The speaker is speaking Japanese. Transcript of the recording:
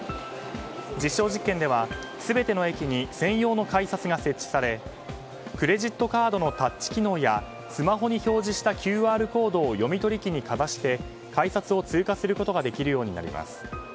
実証実験では、全ての駅に専用の改札が設置されクレジットカードのタッチ機能やスマホに表示したＱＲコードを読み取り機にかざして改札を通過することができるようになります。